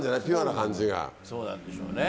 そうなんでしょうね。